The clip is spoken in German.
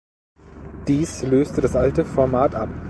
Dies löste das alte -Format ab.